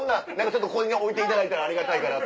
ちょっとここに置いていただいたらありがたいかな。